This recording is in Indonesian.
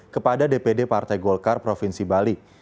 kepada dpd partai golkar provinsi bali